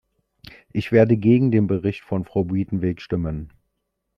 Ich werde gegen den Bericht von Frau Buitenweg stimmen.